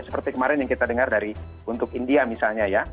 seperti kemarin yang kita dengar dari untuk india misalnya ya